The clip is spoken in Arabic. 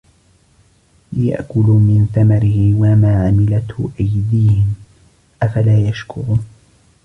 ليأكلوا من ثمره وما عملته أيديهم أفلا يشكرون